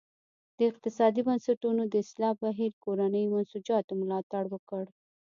د اقتصادي بنسټونو د اصلاح بهیر کورنیو منسوجاتو ملاتړ وکړ.